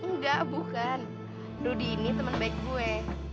nggak bukan rudy ini temen baik gue